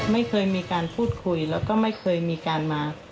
ไม่เคยมีการพูดคุยแล้วก็ไม่เคยมีการมา